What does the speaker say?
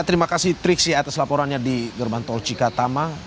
terima kasih triksi atas laporannya di gerbang tol cikatama